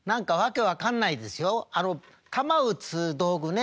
球打つ道具ね